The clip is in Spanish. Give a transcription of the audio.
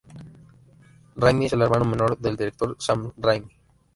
Raimi es el hermano menor del director Sam Raimi.